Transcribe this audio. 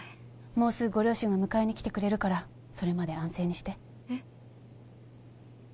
もうすぐご両親が迎えに来てくれるからそれまで安静にしてえっ？